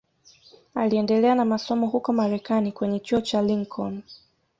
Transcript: Aliendelea na masomo huko Marekani kwenye chuo cha Lincoln